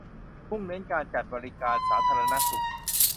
มุ่งเน้นการจัดบริการสาธารณสุข